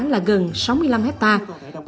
là gần sáu mươi năm hectare